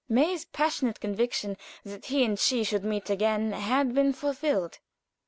May's passionate conviction that he and she should meet again had been fulfilled.